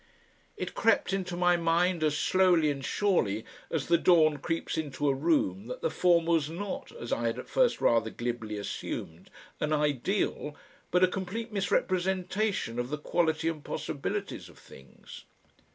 It crept into my mind as slowly and surely as the dawn creeps into a room that the former was not, as I had at first rather glibly assumed, an "ideal," but a complete misrepresentation of the quality and possibilities of things.